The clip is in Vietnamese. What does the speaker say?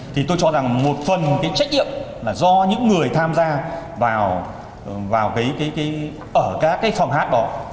thì tôi cho rằng một phần trách nhiệm là do những người tham gia vào cái phòng hát đó